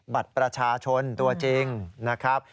บัตรประชาชนตัวจริงนะครับ